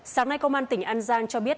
sáng nay công an tỉnh an giang cho biết